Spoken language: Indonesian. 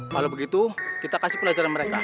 kalau begitu kita kasih pelajaran mereka